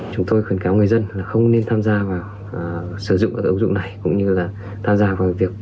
chúng tôi khuyến cáo người dân là không nên tham gia vào sử dụng các ứng dụng này cũng như là tham gia vào việc